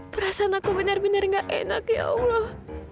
perasaan aku benar benar gak enak ya allah